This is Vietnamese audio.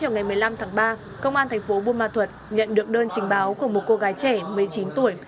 ngày một mươi năm tháng ba công an thành phố buôn ma thuật nhận được đơn trình báo của một cô gái trẻ một mươi chín tuổi